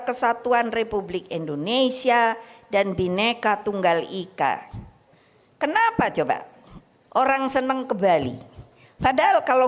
kesatuan republik indonesia dan bineka tunggal ika kenapa coba orang seneng ke bali padahal kalau